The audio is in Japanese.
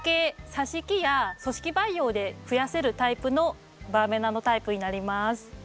さし木や組織培養でふやせるタイプのバーベナのタイプになります。